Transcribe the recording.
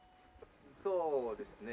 そうですね。